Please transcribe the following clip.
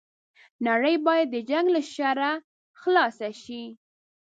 نړۍ بايد د جنګ له شره خلاصه شي